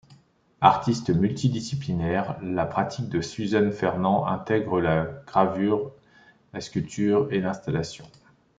Artiste multidisciplinaire, la pratique de Suzanne FerlandL intègre la gravure, la sculpture et l’installation.